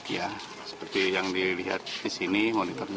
ya seperti yang dilihat di sini monitornya